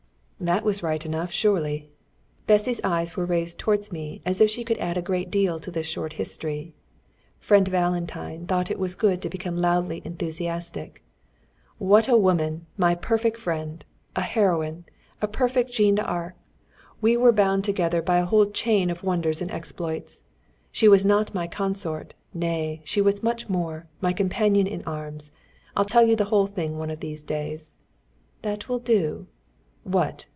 That was right enough, surely! Bessy's eyes were raised towards me as if she could add a great deal to this short history. Friend Valentine thought it good to become loudly enthusiastic. "What a woman, my friend! A heroine! A perfect Jeanne d'Arc! We were bound together by a whole chain of wonders and exploits. She was not my consort nay! she was much more, my companion in arms. I'll tell you the whole thing one of these days." "That will do...." "What?